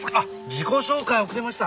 自己紹介遅れました。